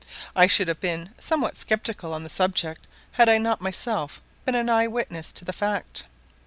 I should have been somewhat sceptical on the subject, had I not myself been an eyewitness to the fact.